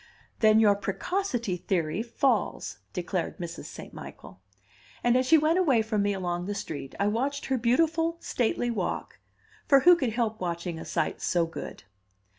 "Then your precocity theory falls," declared Mrs. St. Michael. And as she went away from me along the street, I watched her beautiful stately walk; for who could help watching a sight so good?